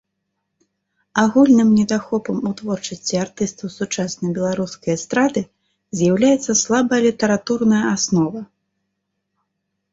Агульным недахопам у творчасці артыстаў сучаснай беларускай эстрады з'яўляецца слабая літаратурная аснова.